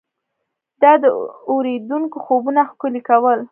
دا د اورېدونکو خوبونه ښکلي کول.